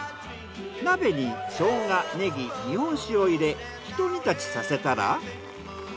鍋にショウガネギ日本酒を入れひと煮立ちさせたら。